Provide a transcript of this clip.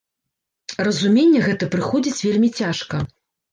Разуменне гэта прыходзіць вельмі цяжка.